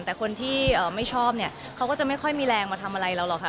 แต่คนที่ไม่ชอบเนี่ยเขาก็จะไม่ค่อยมีแรงมาทำอะไรเราหรอกค่ะ